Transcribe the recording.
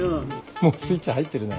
もうスイッチ入ってるね。